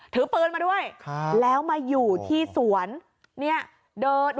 ถือปืนมาด้วยแล้วมาอยู่ที่สวนเนี่ยเดิน